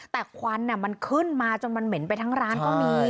แต่ควันมันขึ้นมาจนมันเหม็นไปทั้งร้านก็มี